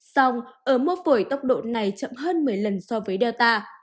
xong ớm mốt phổi tốc độ này chậm hơn một mươi lần so với delta